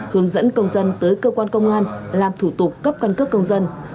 hướng dẫn công dân tới cơ quan công an làm thủ tục cấp căn cước công dân